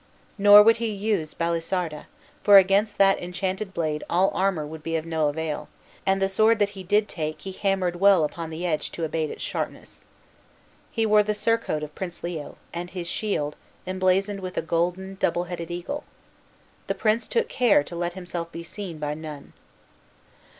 Nor would he use Balisarda, for against that enchanted blade all armor would be of no avail, and the sword that he did take he hammered well upon the edge to abate its sharpness. He wore the surcoat of Prince Leo, and his shield, emblazoned with a golden, double headed eagle. The prince took care to let himself be seen by none.